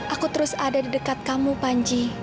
aku terus ada di dekat kamu panji